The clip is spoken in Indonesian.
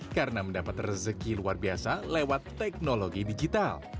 karena mendapat rezeki luar biasa lewat teknologi digital